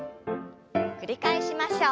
繰り返しましょう。